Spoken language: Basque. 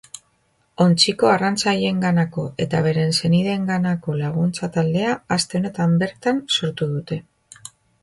Ontziko arrantzaleenganako eta beren senideenganako laguntza taldea aste honetan bertan sortu dute.